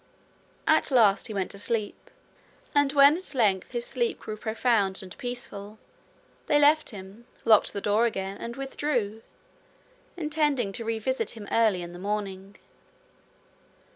At last he went to sleep, and when at length his sleep grew profound and peaceful, they left him, locked the door again, and withdrew, intending to revisit him early in the morning.